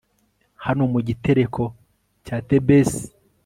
hano mu gitereko cya thebes